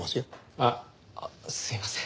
あっすいません。